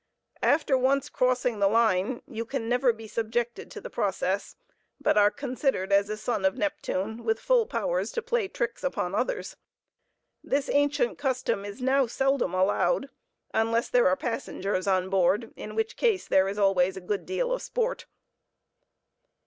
After once crossing the line you can never be subjected to the process, but are considered as a son of Neptune, with full powers to play tricks upon others. This ancient custom is now seldom allowed, unless there are passengers on board, in which case there is always a good deal of sport.